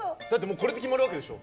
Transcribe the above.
これで決まるわけでしょ。